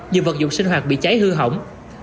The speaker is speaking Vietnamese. nhiều vật dụng sinh hoạt bị cháy hư hỏng